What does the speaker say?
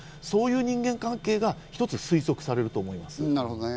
そういう人間関係が一つ推測されると思います。